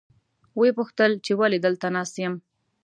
ویې پوښتل چې ولې دلته ناست یم.